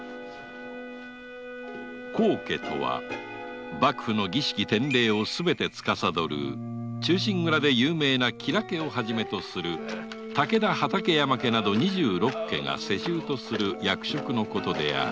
「高家」とは幕府の儀式すべてをつかさどる『忠臣蔵』で有名な吉良家を始め武田家など２６家が世襲とする役職の事である。